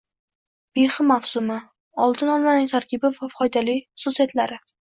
Behi mavsumi: oltin olmaning tarkibi va foydali xususiyatlari